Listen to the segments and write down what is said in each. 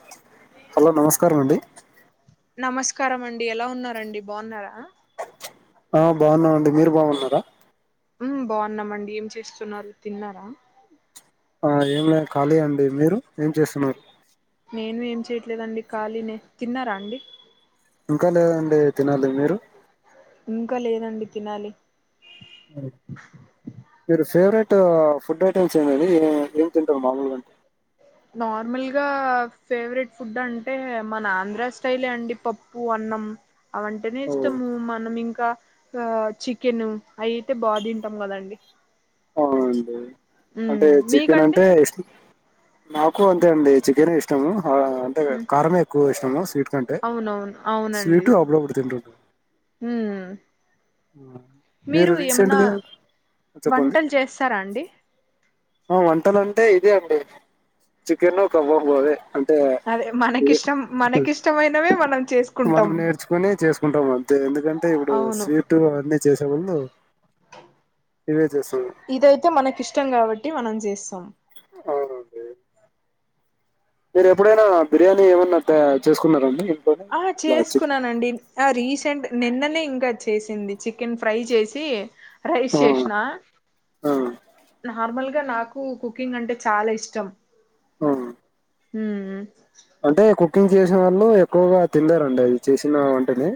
[inaudible] Hello నమస్కారం అండి నమస్కారం అండి ఎలా ఉన్నారండి బావున్నారా ఆ బాగున్నా ఉండి మీరు బాగున్నారా బాగున్నామండి ఏం చేస్తున్నారు తిన్నారా ఆ ఏం లే ఖాళీ అండి మీరు ఏం చేస్తున్నారు నేను ఏం చేయట్లేదండి ఖాళీ తిన్నారా అండి ఇంకా లేదండి తినాలి మీరు ఇంకా లేదండి తినాలి ఆ మీరు ఫేవరెట్ ఫుడ్ ఐటమ్స్ ఎందండి ఏం తింటారు మామూలుగా అంటే నార్మల్గా ఫేవరెట్ ఫుడ్ అంటే మన ఆంధ్ర స్టైలే అండి పప్పు అన్నం అవంటేనే ఇష్టము ఓ మనం ఇంకా ఇంకా చికెన్ అయ్ అయితే బాగా తింటాం కదండి అవునండి ఉమ్ అంటే చికెన్ మీకండి అంటే ఇస్ట్ నాకు అంతే అండి చికెనే ఇష్టము అ అంటే ఉమ్ కారమే ఎక్కువ ఇష్టాము స్వీట్ కంటే, అవునవును అవునండి స్వీటు అప్పుడప్పుడు తింటండు ఉమ్ మీరు రీసెంట్గా చెప్పండి తరండీ ఆ వంటలు అంటే ఇదే అండి చికెన్ కబాబ్ అదే అంటే అదే మనకిష్టం మనకిష్టమైనవే మనం మనం చేసుకుంటాం నేర్చుకొని చేసుకుంటాం అంతే ఎందుకంటే ఇప్పుడు అవును స్వీట్ అన్నీ చేసేముందు ఇవే చేసాం ఇదైతే మనకిష్టం కాబట్టి మనం చేస్తాం అవునండీ మీరు ఎప్పుడైనా బిర్యానీ ఏమన్నా చే చేసుకున్నారండి ఇంట్లోనే ఆ ఇలా చిక్ చేసుకున్నానండి ఆ రీసెంట్ నిన్ననే ఇం చేసింది చికెన్ ఫ్రై చేసి రైస్ ఆ చేస్నా ఆ నార్మల్ ఇకా నాకు కుకింగ్ అంటే చాలా ఇష్టం అ మ్ అంటే కు కుకింగ్ చేసిన వాళ్ళు ఎక్కువగా తినాలేరండిఅది చేసిన వంటని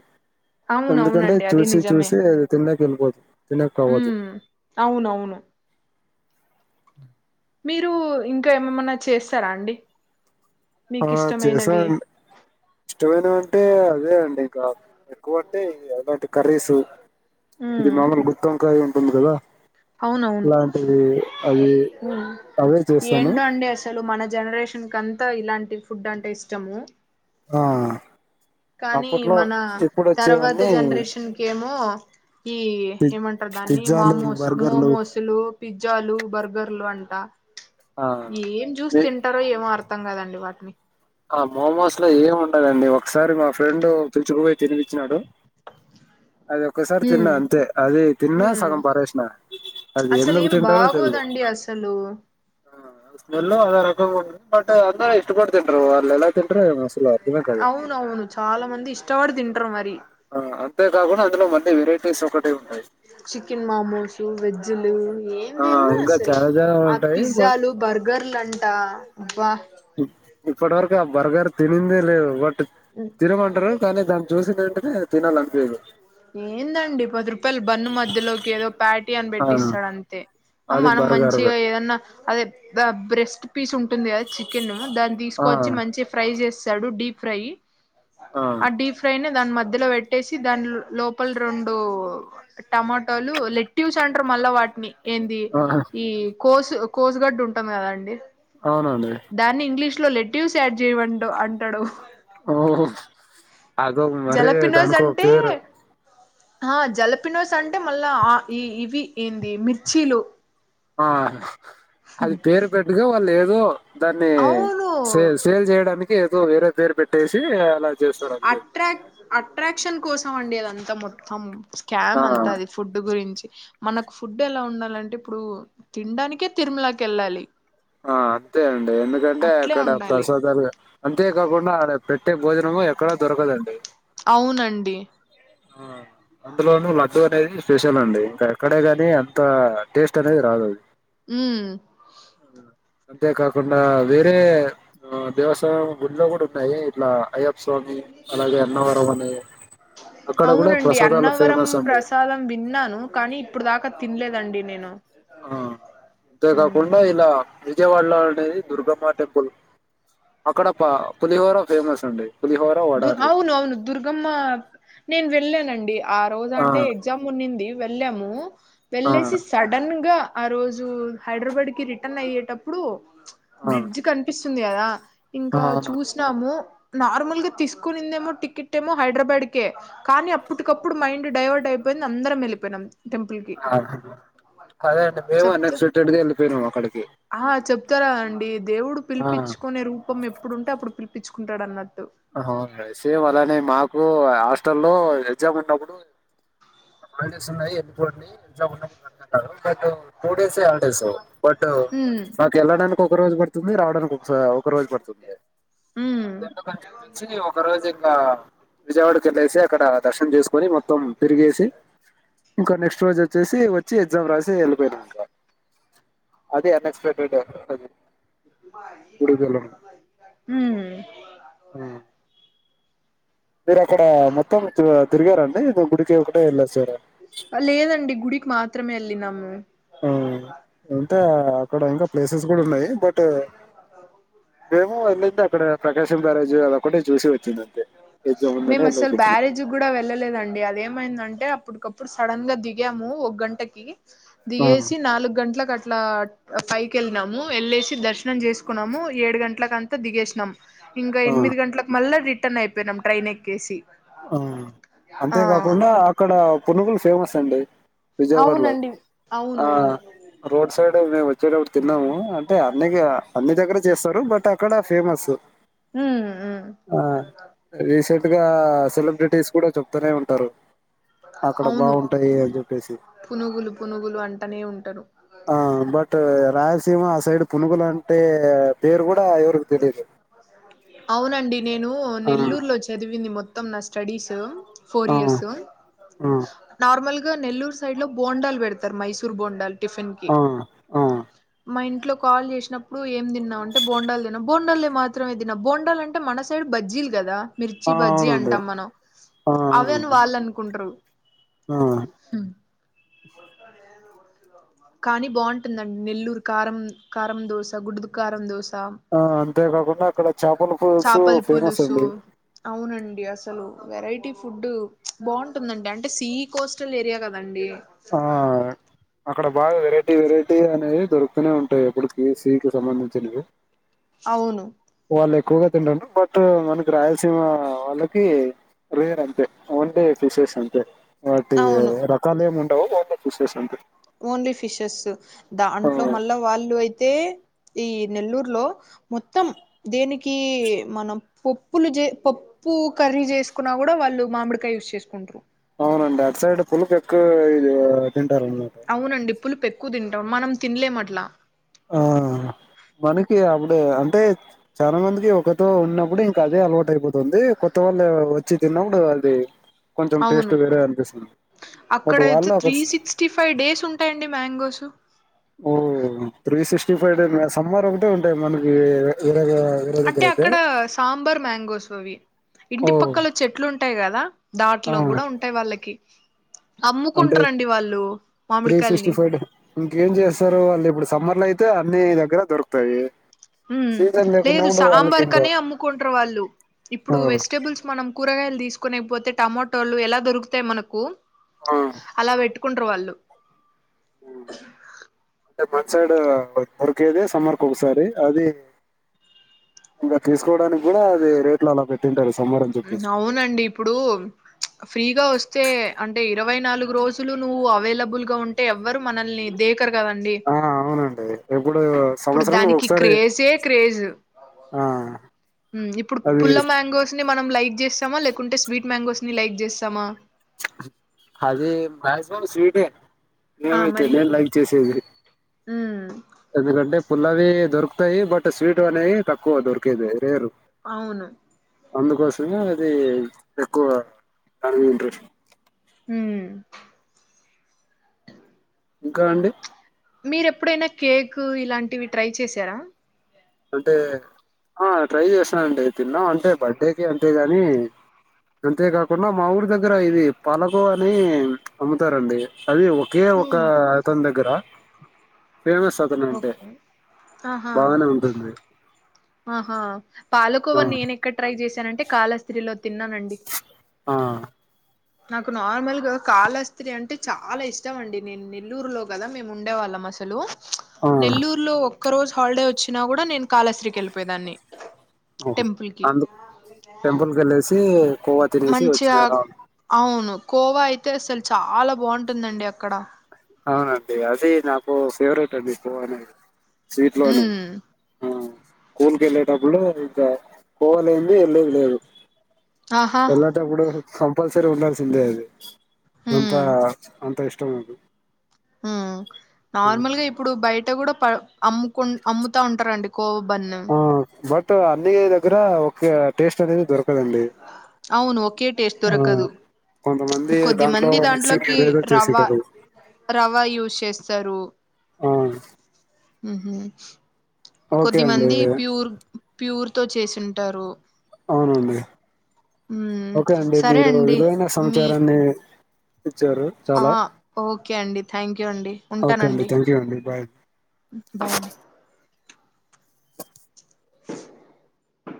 ఎందుకంటే అవునవునండి అది చూసి నిజమే చూసి అది తిన్న బిల్కు తినకవదు ఉమ్ అవునవును మీరు ఇంకా ఏమమన్నా చేస్తారా అండి ఆ మీకు ఇష్టమైనవి చేశాం ఇష్టమైన అంటే అదే అండి ఇక ఎక్కువ అంటే అలాంటి కర్రీసు ఉమ్ మామూలుగ గుత్తొంకాయ ఉంది కదా అవునవును లాంటివి అవి హ్మ్ అవే చేస్తాను ఏంటో అండి అసలు మన జనరేషన్ కంత అంత ఇలాంటి ఫుడ్ అంటే ఇష్టము ఆ కానీ అప్పట్లో మన ఇప్పుడు తర్వాత వచ్చేవన్నీ జనరేషన్ కి ఏమో ఈ పి ఏమంటరు దాన్ని పిజ్జాలు మామోస్ బర్గర్లు మోమోసులు పిజ్జాలు బర్గర్లు అంట ఆ ఏం జ్యూస్ తింటరో ఏమో ర్ మొత్తం కదండి వాటిని ఆ మోమోస్ లో ఏమి ఉండదండి ఒకసారి మా ఫ్రెండ్ తెచ్చుకుని తినిపిచ్చినాడు అది ఒక్కసారి తిన్నా హ్మ్ అంతే అది తిన్నా హ్మ్ సగం పరేసిన అది అసలు ఎందుకు ఏం తింటారో తెలియదు. బాగోదండి అసలు స్మెల్లో అదో రకంగా ఉంది బట్ అంతా ఇష్టపడి తింటారు వాళ్లు ఎలా తింటారు అసల్ అవునవును చాలా మంది ఇష్టపడి తింటారు మరి ఆ అంతే కాకుండా అందు మన్ చికెన్ మామోస్ వెజ్ లు ఏం ఆ తిన్న ఇంకా అసలు చాలా చాలా ఆ ఉంటాయి బట్ పిజ్జాలు బర్గర్లు అంట బా ఇప్పటి వరకు ఆ బర్గర్ తినిందే లేదు బట్ తినమంటారు కానీ దాన్ని చూసిన వెంటనే తినాలనిపియదు ఏందండి పది రూపాయలు బన్ను మధ్యలోకి ఏదో ప్యాటి అని ఆ పెట్టిస్తాడు. అంతే అది మనం బర్గర్ మంచిగా ఏదన్నా అదే బెస్ట్ పీస్ ఉంటుంది కదా చికెన్ దాన్ని ఆ తీసుకోవచ్చి మంచి ఫ్రై చేస్ చేస్తాడు డి ఫ్రై ఆ డి ఫ్రై నే దాని మధ్యలో పెట్టేసి దాని లోపల రెండు టమాటోలు లెట్ యూస్ అంటారు. మళ్ళా వాటిని ఏంది ఆ ఈ కోర్స్ కోసు గడ్డ ఉంటుంది కదా అండి అవునండి ఇట్ లో లెట్ యూజ్ యాడ్ చేయమండు అంటాడు ఓ అగు మరి జలపినోస్ దానికో అంటే పేరు ఆ జలపినోస్ అంటే మళ్ళా ఆ ఈ ఇవి ఏంది మిర్చీలు ఆ అది పేరు పెట్టుగా వాళ్ళు ఏ ద దాన్ని అవును సే సేల్ చేయడానికి ఏదో వేరే పేరు పెట్టేసి అలా చేస్తారు అంతే అట్రాక్ అట్రాక్షన్ కోసం అండి అదంతా మొత్తం ఆ స్కామ్ అంతా అది ఫుడ్ గురించి మనకు ఫుడ్ ఎలా ఉండాలంటే ఇప్పుడు తిండానికే తిరుమలాకి వెళ్ళాలి. ఆ అంతే అండి ఎందుకంటే అట్లే అక్కడ ఉండాలి ప్రసాదాలు అంతే కాకుండా ఆడ పె ట్టే భోజనమూ ఎక్కడా దొరకదండి ఔనండి ఆ అందులోనూ లడ్డు అనేది స్పెషల్ అండి ఇంకా ఎక్కడే గానీ అంత టేస్ట్ అనేది రాదు ఊ అంతే కాకుండా వేరే ఆ దేవస్థానం గుడిలో కూడా ఉన్నాయి ఇట్లా అయ్య స్వామి అలాగే అన్నవరం అని అక్కడ కూడా అవునండి ప్రసాదాలు అన్నవరం ఫేమస్ అండి ప్రసాదం విన్నాను కానీ ఇప్పుడు దా ట తిన్లేదండి నేను ఆ అంతే ఉమ్ కాకుండా ఇలా విజయవాడలో అనేది దుర్గమ్మ టెంపుల్ అక్కడ ప పులిహోర ఫేమస్ అండి పులిహోర వడ దు అనేది అవును అవును దుర్గమ్మ నేను వెళ్ళే నండి ఆ రోజంటే ఎగ్జామ్ ఉనింది వెళ్ళాము ఆ వెళ్ళేసి సడన్ గా ఆ రోజు హైదరాబాద్ కి రిటర్న్ అయ్యేటప్పుడు ఆ బ్రిడ్జ్ కనిపిస్ తుంది కదా ఆ ఇంకా అవునండి చూసినాము నార్మల్గా తీసుకునిందేమో టికెట్ ఏమో హైదరాబాద్కే కానీ అప్పటికప్పుడు మైండ్ డైవర్ట్ అయిపోయింది అందరం వెళ్ళిపోయినాం టెంపుల్ కి ఆ అదే అండి మేము చెప్తే అన్ఎక్స్పెక్టెడ్ గా వెళ్ళిపోయినాము అక్కడికి ఆ చెప్తారా అండి దేవుడు ఆ పిలిపించుకునే రూపం ఎ ఎప్పుడుంటే అప్పుడు పిలిపించుకుంటాడు అన్నట్టు అవును సేమ్ అలానే మాకు హాస్టల్ లో ఎగ్జామ్ ఉన్నప్పుడు [unintelligible] ఉన్నాయి ఎల్లి పోండి ఇంట్లో ఉన్నపుడు రండి అంటారు బట్ టూ డేసే హాలిడేస్ బట్ ఉమ్ నాకు వెళ్ళడానికి ఒక రోజు పడు తుమీ రాడనుకో అసలా ఒక రోజు పడుతుంది ఉమ్ కలిసి ఒక రోజు ఇంకా విజయవాడ కెళ్ళేసి అక్కడ దర్శనం చేసుకొని మొత్తం తిరిగేసి ఇంకా నెక్స్ట్ రోజో చేసి వచ్చి గ్సాం రాసి వెళ్ళిపోయినాం ఇంక అది గుడికి వెళ్ళడం హ్మ్ ఆ. ఉ మీరు అక్కడ మొత్తం తిరిగారండి. గుడికి ఒకటే వెళ్ళొచ్చారా మేము వెళ్ళినాం ఆహా ఎంత అక్కడ ఇంకా ప్లేసెస్ కూడా ఉన్నాయ్ వెళ్ళింది అక్కడ ప్రకాశం బ్యారేజ్ అదొకటి చూసి వచ్చింది అంతే ఎగ్జామ్ ఉందని మేము వెళ్ళేసి అసలు వచ్చినం బ్యారేజీ కూడా వెళ్ళలేదండి. అదేమైందంటే అప్పుటికప్పు ఇప్పుడు సడన్ గా దిగాము ఒక గంటకి ఆ దిగేసి నాలుగు గంటలు అట్లా ఇట్లా పైకి వెళ్ళినాము వెళ్ళేసి దర్శనం చేసుకున్నాము. ఏడు గంటలకంతా దిగేసినాము. ఇంకా ఆ ఎనిమిది గట్లకి మళ్ళ ది రీటన్ అయిపోయినాం. ట్రైన్ ఎక్కేసి ఆ ఆ అంతేకాకుండా అక్కడ పునుగులు ఫేమస్ అండి. విజయవాడలో అవునండి ఆ అవును అవును రోడ్ సైడ్ మేము పోయేటప్పుడు తిన్నాము. అంటే అన్ని అన్ని దగ్గర చేస్తారు. బట్ అక్కడ ఫేమస్ ఉమ్ ఉమ్ ఆ రీసెంట్ గా ఒట్టేసి కూడా చెప్తూనే ఉంటారు. అక్కడ అవును బాగుంటాయి. అని చెప్పేసి పునుగులు పునుగులు అంటనే ఉంటారు ఆ బట్ రాయలసీమ సైడ్ పునుగులు అంటే పేరు కూడా ఎవరికి తెలిదు అవునండి నేను నెల్లూరు లో చదివింది మొ మొత్తం నా స్టడీస్ ఫోర్ ఆ ఇయర్స్ ఆ నార్మల్ ఇ నెల్లూరు సైడ్ లో బోండాల్ పెడతారు. మైసూర్ బోండాల్ టిఫన్కి ఆ ఆ మా ఇంట్ లో కాల్ చేసినప్పుడు ఏం తిన్నాం వాని అంటే బోండాల్ తిన్నా, బోండాలు మాత్రమే తిన్నా బోండా అంటే మన సైడ్ బజ్జీలు కదా మిర్చి ఆ బజ్జీ అవునండి అంటాం. మనం ఆ అవి అని అవునండి వాళ్ళు అనుకుంటారు. ఆ కానీ బాగుంటుందండి. నెల్లూరు కారం, కారం దోశ గుంటూరు కారం దోశ్ ఆ అంతేకాకుండా అక్కడ చేపల పులుసు చేపల ఫేమస్ పులుసు అండి అవునండి అసలు వెరైటీ ఫుడ్ బాగుంటుందండి అంటే సీ కోస్టల్ ఏరియా కదండి ంట ఆ అక్కడ బాగా వెరైటీ వెరైటీ అనేవి దొరుకుతూనే ఉంటాయి ఎప్పటికి సీకి సంబంధించినవి అవును వాళ్ళు ఎక్కువగా తింటుంటారు బట్ మనకి రాయలసీమ వాళ్ళకి రేర్ అంతే ఓన్లీ ఫిషెస్ అంతే వాటి అవును రకాలు ఏమం టే వాటర్ ఫిషెస్ ఉంటాయి ఓన్లీ ఫిషెస్ దాంట్లో ఆ మళ్ళా వాళ్ళు అయితే ఈ నెల్లూరు లో మొత్తం దినికి కి మనం పప్పులు జే పప్పు కర్రీ చేసుకున్నా కూడా వాళ్ళు మామిడికాయ యూస్ చేసుకుంట్రూ అవునండి అట్ సైడ్ పులుపు ఎక్ ఇది తింటారు అవునండి పులుపు ఎక్కువ తింటారు మనం తినలేం అట్లా ఆ మనకి అప్పుడు అంటే చాలా మందికి ఒకతో ఉన్నప్పుడు ఇంకా అదే అలవాటు అయిపోతుంది కొత్త వాళ్ళు వచ్చి తిన్నప్పుడు అది కొంచెం టేస్ట్ అవును వేరే అనిపిస్తుంది బట్ అక్కడయితే వాళ్ళు అక్కడ త్రీ సిక్స్టీ ఫైవ్ డేస్ ఉంటాయండి మ్యాంగోసు ఉహ్ three sixty five day summer ఒకటే ఉంటాయి మనకి వేరే దగ్గర అంటే అయితే అక్కడ సాంబార్ మ్యాంగోస్ అవి ఓ ఇంటి పక్కలో చెట్లు ఉంటాయి కదా ఆ దాట్లో కూడా ఉంటాయి వాళ్ళకి అంటే అమ్ముకుంటారండి వాళ్ళు త్రీ సిక్స్టీ మామిడికాయల్ని ఫైవ్ డే ఇంకేం చేస్తారు వాళ్ళు ఇప్పుడు సమ్మర్ లో అయిత్ తే అన్న దగ్గర దొరకుతాయి హ్మ్ లేదు సాంబార్ ఇంకా కనే అమ్ముకుంటారు వాళ్ళు ఆ ఇప్పుడు వెజిటబుల్స్ మనం కూరగాయ తీసుకునేకిపోతే టమాటోలు ఎలా దొరుకుతాయి మనకు ఆ కుంటారు వాళ్ళు అంటే మన సైడ్ దొరికేది సమ్మర్కి ఒసారి అది ఇంకా తీసుకోడానికి కూడా అది రేట్లు అలా పెట్ అవునండి ఇప్పుడు ఫ్రీగా వస్తే అంటే ఇరవై నాలుగు రోజులు నువ్వు అవైలబుల్ గా ఉంటే ఎవ్వరు మనల్ని దే కర్ కదండి ఏ హిం ఇప్పుడు దానికి క్రేజే క్రేజ్ ఆ ఇప్పుడు అది పుల్ల మ్యాంగోస్ ని మనం లైక్ చేస్తామా లేకుంటే స్వీట్ మ్యాంగోస్ ని లైక్ చేస్తామా అది మాక్సిమం స్వీట్ ఏ నేమైతే నేను లైక్ చేసేది ఉ ఎందుకంటే పుల్లవి దొరుకుతాయి బట్ స్వీట్ అనేవి తక్కువ దొరికేది రేర్ అవును అందుకోసమే అది ఎక్కువ అది ఇంట్రెస్ట్ హు ఇంకా అండి మీర ఎప్పుడైనా కేక్ ఇలాంటివి ట్రై చేశారా అంటే ఆ ట్రై చేసానుండి తిన్నాం అంటే బర్త్డేకి అంతేగాని అంతేకాకుండా మా ఊరి దగ్గర ఇది పాలకోవా అని అమ్ముతారండి అది ఒకే ఒక మ్ అతని దగ్గర ఫేమస్ అతనంటే ఓకే ఆహా బాగానే ఉంటు ఆహా పాలకోవ ఆ నేన ఎక్కడ ట్రై చేసి అంటే కాలస్త్రీలో తిన్ననండి ఆ నాకు నార్మల్గా కాళాస్త్రి అంటే చాలా ఇష్టం అండి నేను నెల్లూరులో కదా మేము ఉండే వాళ్ళం అసలు ఆ నెల్లూరులో ఒక ఒక్క రోజు హాలిడే వచ్చినా కూడా నేను కాలశ్రికి వెళ్ళిపోయే దాన్ని అవును అందుకు టెంపుల్ కి వెళ్లేసి మంచిగా అవును ఖోవా అయితే అసల్ చాలా బాగుంటుందండి అక్కడ అవునండి, అది నాకు ఫేవరెట్ అండి ఖోవా అనేది స్వీట్ లోనే హ్మ్ స్కూల్‌కి వెళ్ళేటప్పుడు ఇంకా ఖోవాలేందే వెళ్లేది లేదు ఆహా వెళ్లేటప్పుడు కంపల్సరీ ఉండాల్సిందే అది అంత హ్మ్ అంత ఇష్టం. ఇష్టం నాకు హ్మ్ నార్మల్గ ఇప్పుడు బయట. అంటే కూడా పా అముకు అముతా ఉంటారు అండి కోవా బన్ ఆ బట్ అన్ని దగ్గర ఒక టేస్ట్ ఇక్కడ అవి దొరకవ్ అండి ఆ కొంతమంది కొద్ది దాంట్లో మంది, మిక్సింగ్ దాంట్లోకి ఏదేదో చేసింటారు రవా యూజ్ చేస్తారు. ఆ ఉహ్మ్ ఓకే కొద్ది అండి మంది ప్యూర్ ప్యూర్ తో చేసింటారు అవునండి హ్మ్ ఓకే అండి సరే మీరు అండి విలువైన మీ సమాచారం ని ఆ ఓకే అండి థాంక్యూ అండి ఉంటాను ఓకే అండి థ్యాంక్ యూ అండి బాయ్ బై అండి [inaudible]